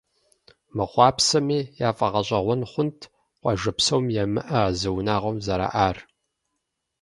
Мыхъуапсэми, яфӏэгъэщӏэгъуэн хъунт, къуажэ псом ямыӏэ а зы унагъуэм зэраӏэр.